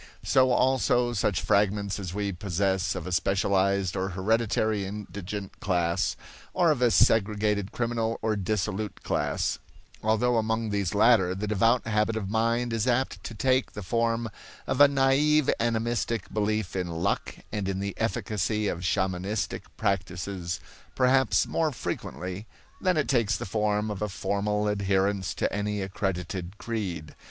So also such fragments as we possess of a specialized or hereditary indigent class, or of a segregated criminal or dissolute class; although among these latter the devout habit of mind is apt to take the form of a naive animistic belief in luck and in the efficacy of shamanistic practices perhaps more frequently than it takes the form of a formal adherence to any accredited creed.